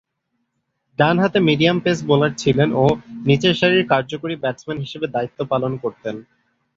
ডানহাতে medium pace bowler ছিলেন ও নিচেরসারির কার্যকরী ব্যাটসম্যান হিসেবে দায়িত্ব পালন করতেন।